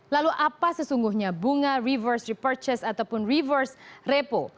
lalu apa sesungguhnya bunga reverse repurchase ataupun reverse repo